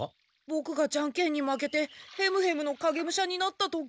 ボクがジャンケンに負けてヘムヘムの影武者になった時。